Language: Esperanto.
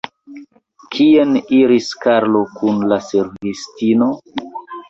Kien iris Karlo kun la servistino?